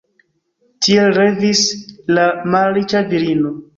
Tiel revis la malriĉa virino.